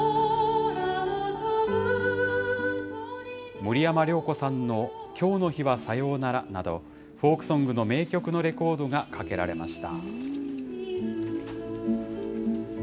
森山良子さんの今日の日はさようならなど、フォークソングの名曲のレコードがかけられました。